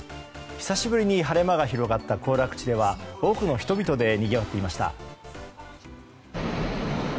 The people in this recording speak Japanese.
久しぶりに晴れ間が広がった行楽地では多くの人々でにぎわっていました。